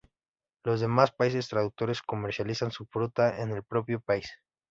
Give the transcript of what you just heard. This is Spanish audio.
Los demás países productores comercializan su fruta en el propio país.